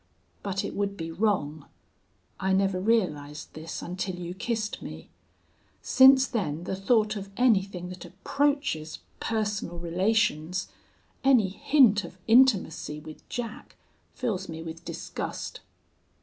But it would be wrong. I never realized this until you kissed me. Since then the thought of anything that approaches personal relations any hint of intimacy with Jack fills me with disgust.